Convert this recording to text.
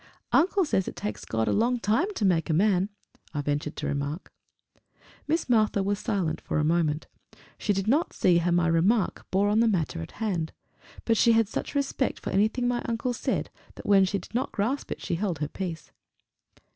"Uncle says it takes God a long time to make a man!" I ventured to remark. Miss Martha was silent for a moment. She did not see how my remark bore on the matter in hand, but she had such respect for anything my uncle said, that when she did not grasp it she held her peace.